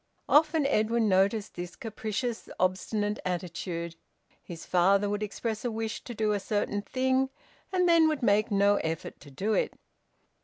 Often Edwin noticed this capricious, obstinate attitude; his father would express a wish to do a certain thing, and then would make no effort to do it.